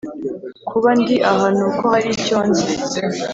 kuba ndi aha nuko hari icyo nzi